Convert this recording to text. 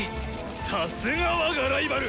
さすが我がライバル！